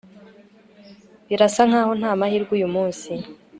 birasa nkaho ntamahirwe uyu munsi